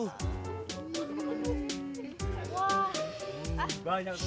banyak tuh bro